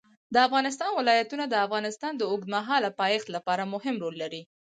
د افغانستان ولايتونه د افغانستان د اوږدمهاله پایښت لپاره مهم رول لري.